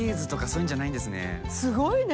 すごいね。